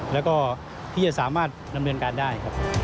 และก็ที่จะสามารถนำเรียนการได้